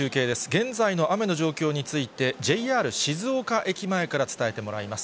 現在の雨の状況について、ＪＲ静岡駅前から伝えてもらいます。